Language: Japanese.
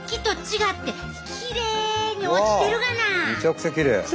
めちゃくちゃきれい。